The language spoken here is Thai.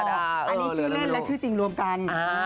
อันนี้ชื่อเล่นและชื่อจริงรวมกัน